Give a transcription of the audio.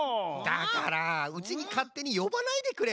だからうちにかってによばないでくれる？